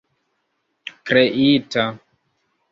kreita